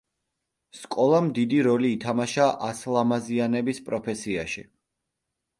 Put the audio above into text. სკოლამ დიდი როლი ითამაშა ასლამაზიანების პროფესიაში.